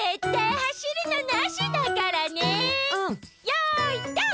よいどん！